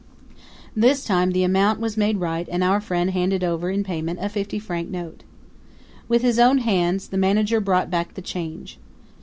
This time the amount was made right and our friend handed over in payment a fifty franc note. With his own hands the manager brought back the change.